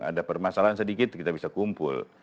ada permasalahan sedikit kita bisa kumpul